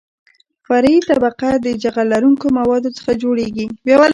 فرعي طبقه د جغل لرونکو موادو څخه جوړیږي